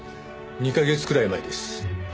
２カ月くらい前です。